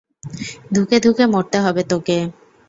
ধুকে ধুকে মরতে হবে তোকে।